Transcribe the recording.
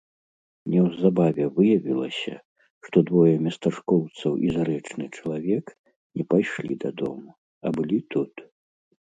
Неўзабаве выявілася, што двое местачкоўцаў і зарэчны чалавек не пайшлі дадому, а былі тут.